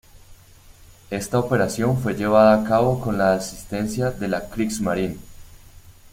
Esta operación fue llevada a cabo con la asistencia de la Kriegsmarine.